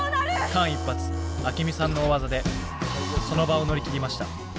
間一髪アケミさんの大技でその場を乗り切りました。